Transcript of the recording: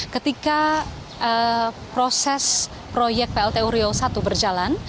ketika proses proyek plt uriau i berjalan